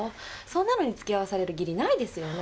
そんなのに付き合わされる義理ないですよね。